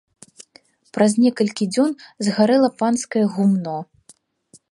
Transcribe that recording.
Праз некалькі дзён згарэла панскае гумно.